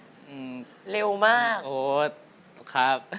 อืมเร็วมากโอ้ครับ